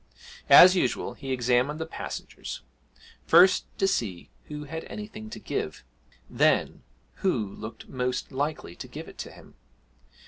As usual, he examined the passengers, first to see who had anything to give, then who looked most likely to give it to him.